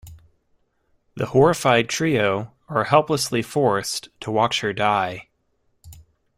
The horrified trio are helplessly forced to watch her die.